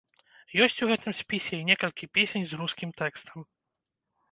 Ёсць у гэтым спісе і некалькі песень з рускім тэкстам.